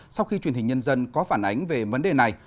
sau khi truyền hình nhân dân có phản ánh về vấn đề này